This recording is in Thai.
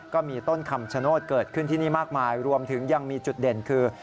ก็มีต้นคำชโนธเกิดขึ้นที่นี่มากมายรวมถึงยังมีจุดเด่นคือ